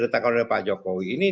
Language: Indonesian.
ditetapkan oleh pak jokowi ini